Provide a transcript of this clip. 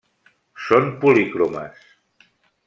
Són policromes.